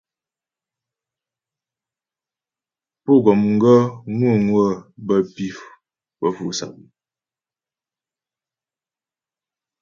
Pú gɔm gaə́ ŋwə̌ŋwə bə́ pǐ pə́ fu'sap.